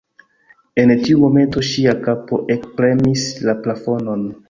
En tiu momento ŝia kapo ekpremis la plafonon.